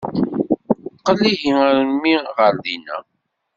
Qel ihi a mmi ɣer dinna.